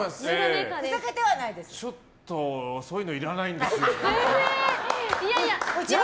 ちょっとそういうのいらないんです。